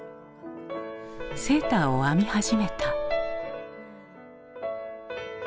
「セーターを編み始めた」。